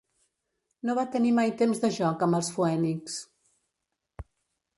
No va tenir mai temps de joc amb els Phoenix.